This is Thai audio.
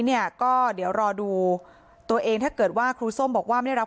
เนี่ยก็เดี๋ยวรอดูตัวเองถ้าเกิดว่าครูส้มบอกว่าไม่รับ